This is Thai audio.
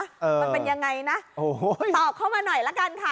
มันเป็นยังไงนะโอ้โหตอบเข้ามาหน่อยละกันค่ะ